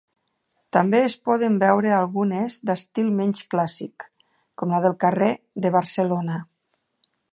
També es poden veure algunes d'estil menys clàssic, com la del carrer de Barcelona.